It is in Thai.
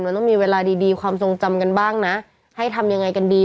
มันต้องมีเวลาดีดีความทรงจำกันบ้างนะให้ทำยังไงกันดี